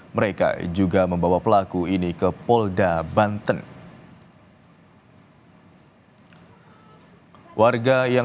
mereka juga membawa pelaku ini ke polda banten warga yang